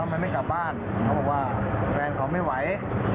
มันไม่กลับบ้านเขาบอกว่าแฟนเขาไม่ไหว